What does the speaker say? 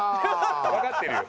わかってるよ。